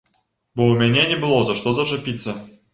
Бо ў мяне не было за што зачапіцца.